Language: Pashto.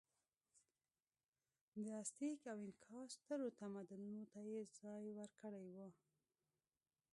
د ازتېک او اینکا سترو تمدنونو ته یې ځای ورکړی و.